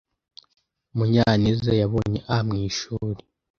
Munyaneza yabonye A mu ishuri.